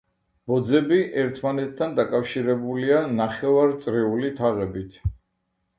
ბოძები ერთმანეთთან დაკავშირებულია ნახევარწრიული თაღებით.